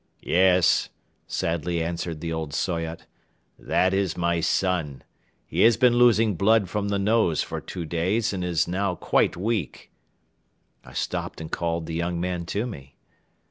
"Yes," sadly answered the old Soyot. "That is my son. He has been losing blood from the nose for two days and is now quite weak." I stopped and called the young man to me.